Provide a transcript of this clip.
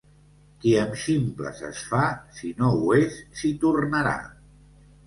Qui amb ximples es fa, si no ho és, s'hi tornarà.